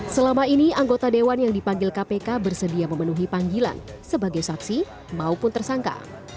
selama ini anggota dewan yang dipanggil kpk bersedia memenuhi panggilan sebagai saksi maupun tersangka